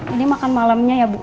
ini makan malamnya ya bu